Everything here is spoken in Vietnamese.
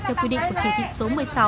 theo quy định của chỉ thị số một mươi sáu